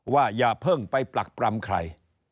อย่าเพิ่งไปปรักปรำใคร